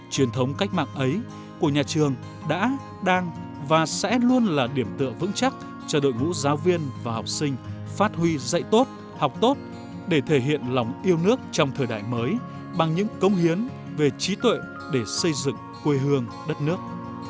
truyền thống cách mạng ấy của nhà trường đã đang và sẽ luôn là điểm tựa vững chắc cho đội ngũ giáo viên và học sinh phát huy dạy tốt học tốt để thể hiện lòng yêu nước trong thời đại mới bằng những công hiến về trí tuệ để xây dựng quê hương đất nước